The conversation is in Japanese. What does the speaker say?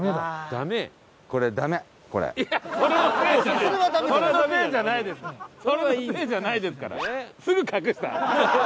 それのせいじゃないですから。